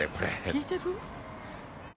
聞いてる？